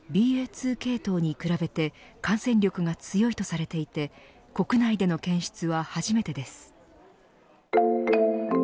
２系統に比べて感染力が強いとされていて国内での検出は初めてです。